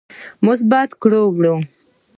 مثبت کړه وړه